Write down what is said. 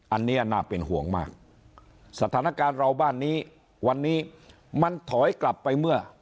อันนี้น่าเป็นห่วงมากสถานการณ์เราบ้านนี้วันนี้มันถอยกลับไปเมื่อ